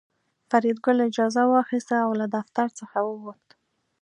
فریدګل اجازه واخیسته او له دفتر څخه ووت